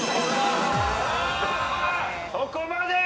そこまで！